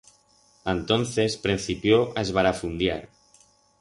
Antonces prencipió a esbarafundiar.